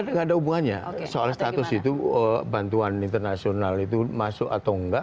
tidak ada hubungannya soal status itu bantuan internasional itu masuk atau tidak